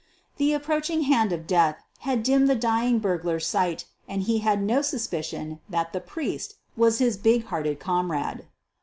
The approaching hand of death had dimmed the dying burglar's sight and he had no suspicion that the "priest" was his big hearted comrade.